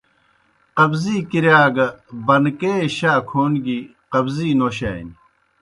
قبضی کِرِیا گہ بنکے شائے کھون گیْ قبضی نوشانیْ۔